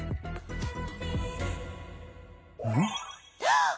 あっ！